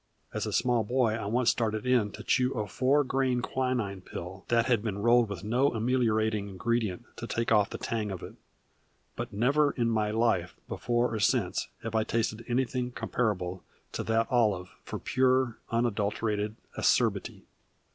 As a small boy I once started in to chew a four grain quinine pill that had been rolled with no ameliorating ingredient to take off the tang of it. But never in my life before or since have I tasted anything comparable to that olive for pure, unadulterated acerbity.